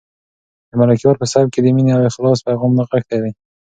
د ملکیار په سبک کې د مینې او اخلاص پیغام نغښتی دی.